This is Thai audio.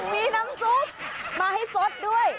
มีน้ำซุปมาให้สดด้วย